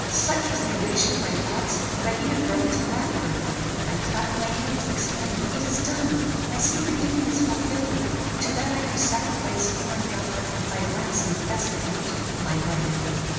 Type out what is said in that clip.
Such was the elation of my thoughts, that I even broke into laughter. I clapped my hands and exclaimed, 'It is done! My sacred duty is fulfilled! To that I have sacrificed, O my God! thy last and best gift, my wife!'